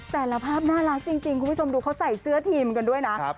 แต่ละภาพน่ารักจริงคุณผู้ชมดูเขาใส่เสื้อทีมกันด้วยนะ